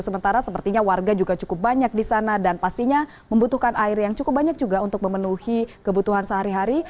sementara sepertinya warga juga cukup banyak di sana dan pastinya membutuhkan air yang cukup banyak juga untuk memenuhi kebutuhan sehari hari